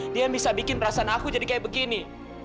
dia bisa bikin perasaan aku jadi kayak begini